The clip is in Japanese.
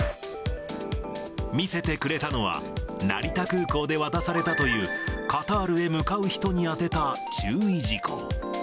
見せてくれたのは、成田空港で渡されたという、カタールへ向かう人にあてた注意事項。